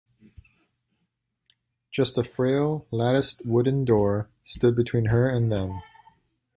Just a frail latticed wooden door stood between her and them.